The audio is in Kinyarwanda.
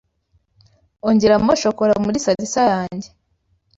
ongeramo shokora muri salisa yanjye,